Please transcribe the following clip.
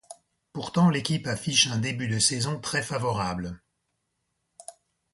Pourtant l'équipe affiche un début de saison très favorable.